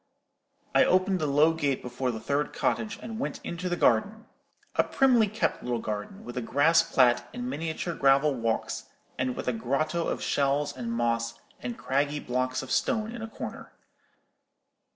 I opened the low gate before the third cottage, and went into the garden,—a primly kept little garden, with a grass plat and miniature gravel walks, and with a grotto of shells and moss and craggy blocks of stone in a corner.